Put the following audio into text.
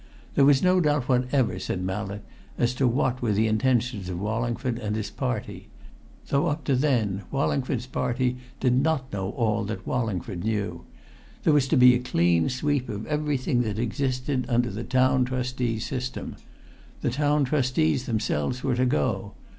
There was no doubt whatever, said Mallett, as to what were the intentions of Wallingford and his party though up to then Wallingford's party did not know all that Wallingford knew. There was to be a clean sweep of everything that existed under the Town Trustee system. The Town Trustees themselves were to go.